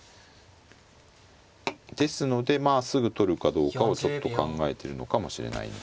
ですのでまあすぐ取るかどうかをちょっと考えてるのかもしれないんですけど